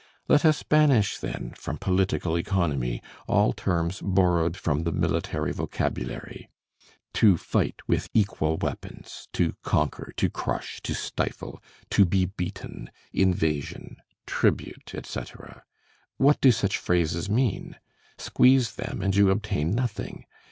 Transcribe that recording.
Let us banish, then, from political economy all terms borrowed from the military vocabulary: to fight with equal weapons, to conquer, to crush, to stifle, to be beaten, invasion, tribute, etc. What do such phrases mean? Squeeze them, and you obtain nothing.